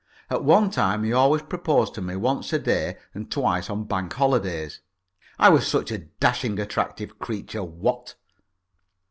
At one time he always proposed to me once a day and twice on Bank holidays. I was such a dashing, attractive creature, what?